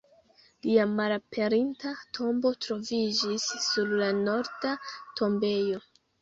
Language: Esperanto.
Lia malaperinta tombo troviĝis sur la Norda tombejo.